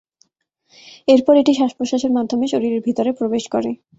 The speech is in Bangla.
এরপর এটি শ্বাস-প্রশ্বাসের মাধ্যমে শরীরের ভিতরে প্রবেশ করে।